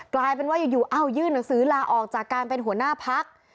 กลายเป็นว่าอยู่เอ้ายื่นหนังสือลาออกจากการเป็นหัวหน้าพัก